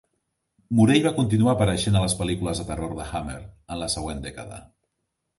Morell va continuar apareixent a les pel·lícules de terror de Hammer en la següent dècada.